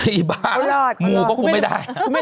อีบ๊ามูก็คุณไม่ได้อีบ๊าอีบ๊าอีบ๊า